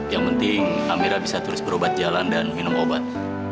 yang penting kamera bisa terus berobat jalan dan minum obat